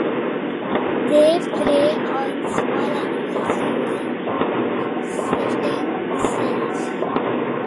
They prey on small animals using stinging cells.